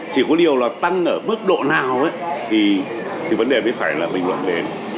chỉ có điều là tăng ở mức độ nào thì vấn đề phải là mình luận đến